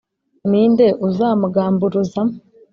ni nde uzamugamburuza ?